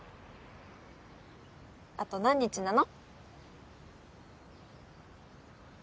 あと何日なの？